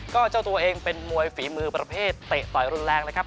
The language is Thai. ก็เจ้าตัวเองเป็นมวยฝีมือประเภทเตะต่อยรุนแรงนะครับ